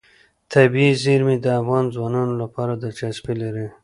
طبیعي زیرمې د افغان ځوانانو لپاره دلچسپي لري.